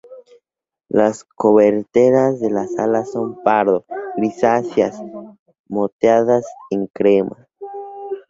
Las coberteras de las alas son pardo grisáceas moteadas en crema.